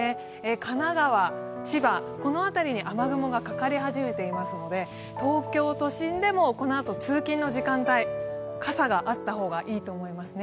神奈川、千葉、この辺りに雨雲がかかり始めていますので東京都心でもこのあと通勤時間帯、傘があった方がいいと思いますね。